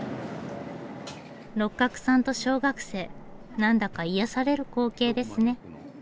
六角さんと小学生何だか癒やされる光景ですね。